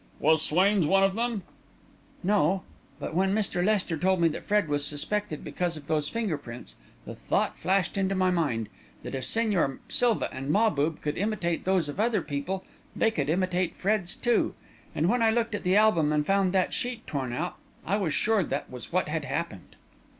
"Was Swain's one of them?" asked Godfrey. "No; but when Mr. Lester told me that Fred was suspected because of those finger prints, the thought flashed into my mind that if Señor Silva and Mahbub could imitate those of other people, they could imitate Fred's, too; and when I looked at the album and found that sheet torn out, I was sure that was what had happened."